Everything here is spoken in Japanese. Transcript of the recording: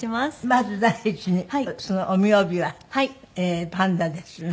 まず第一にその御御帯はパンダですね。